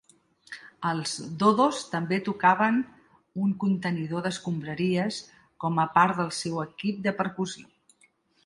Els Dodos també tocaven un contenidor d'escombraries com a part del seu equip de percussió.